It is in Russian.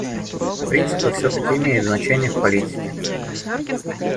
Принципы все-таки имеют значение в политике.